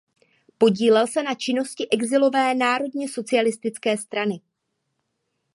Podílel se na činnosti exilové národně socialistické strany.